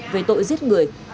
về tội giết người